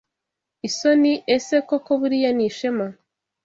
Isoni ese koko buriya ni ishema